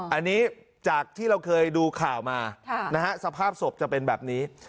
อันนี้จากที่เราเคยดูข่าวมาสภาพศพจะเป็นแบบนี้